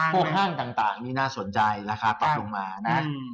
ห้างต่างนี่น่าสนใจราคาปรับลงมานะ